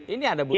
ini ada bukti